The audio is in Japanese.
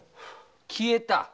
消えた？